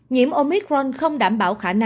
nhiễm omicron không đảm bảo khả năng chống lại delta